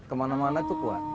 kemana mana itu kuat